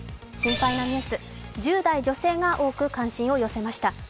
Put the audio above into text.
心配なニュース、１０代女性が多く関心を寄せました。